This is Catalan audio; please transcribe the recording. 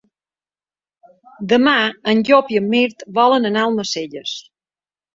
Demà en Llop i en Mirt volen anar a Almacelles.